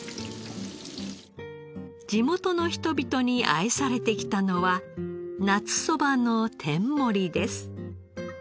地元の人々に愛されてきたのは夏そばの天盛りです。